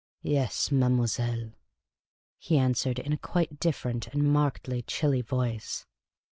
" Yes, mademoiselle," he answered, in quite a different and markedly chilly voice.